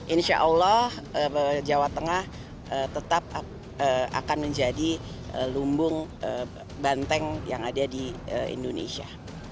insya allah jawa tengah tetap akan menjadi lumbung banteng yang ada di indonesia